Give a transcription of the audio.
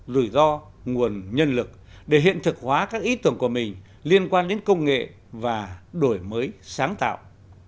rủi ro nguồn nhân lực để hiện thực hóa các ý tưởng của mình liên quan đến công nghệ và đổi mới sáng tạo